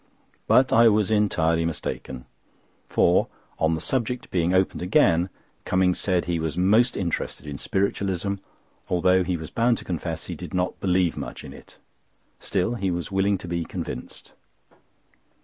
But I was entirely mistaken; for, on the subject being opened again, Cummings said he was most interested in Spiritualism, although he was bound to confess he did not believe much in it; still, he was willing to be convinced.